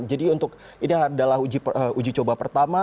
jadi untuk ini adalah uji coba pertama